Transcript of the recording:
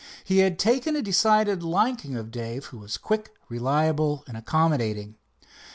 He had taken a decided liking to Dave, who was quick, reliable and accommodating.